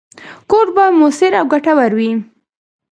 کوډ باید موثر او ګټور وي.